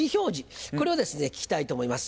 これをですね聞きたいと思います。